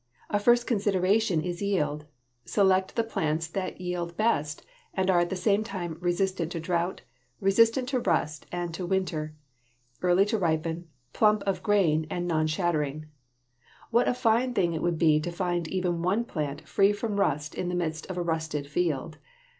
A first consideration is yield. Select the plants that yield best and are at the same time resistant to drouth, resistant to rust and to winter, early to ripen, plump of grain, and nonshattering. What a fine thing it would be to find even one plant free from rust in the midst of a rusted field!